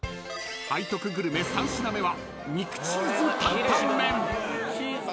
［背徳グルメ３品目は］